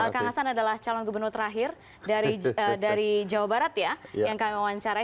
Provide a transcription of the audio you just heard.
kang hasan adalah calon gubernur terakhir dari jawa barat ya yang kami wawancarai